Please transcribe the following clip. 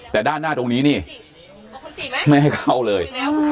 แต่ด้านหน้าตรงนี้นี่ไม่ให้เข้าเลย